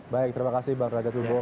baik terima kasih bang derajat libowo